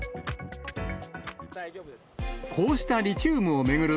こうしたリチウムを巡る